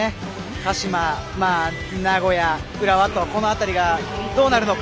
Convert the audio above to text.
鹿島、名古屋、浦和とこの辺りがどうなるのか。